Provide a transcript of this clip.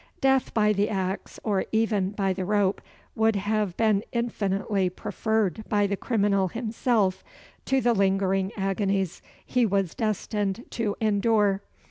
Death by the axe, or even by the rope, would have been infinitely preferred by the criminal himself, to the lingering agonies he was destined to endure.